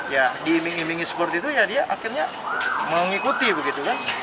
ya diiming imingi seperti itu ya dia akhirnya mengikuti begitu kan